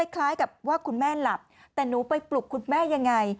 คล้ายกับว่าคุณแม่หลับแต่หนูไปปลุกคุณแม่ยังไง